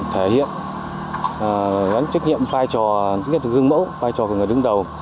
thể hiện trách nhiệm vai trò gương mẫu vai trò của người đứng đầu